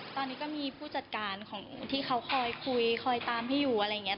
ตอนนี้ก็มีผู้จัดการของที่เขาคอยคุยคอยตามให้อยู่อะไรอย่างนี้